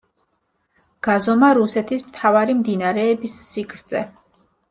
გაზომა რუსეთის მთავარი მდინარეების სიგრძე.